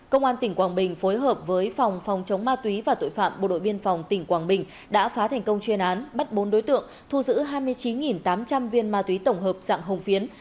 công an tỉnh quảng bình phối hợp với phòng phòng chống ma túy và tội phạm bộ đội biên phòng tỉnh quảng bình đã phá thành công chuyên án bắt bốn đối tượng thu giữ hai mươi chín tám trăm linh viên ma túy tổng hợp dạng hồng phiến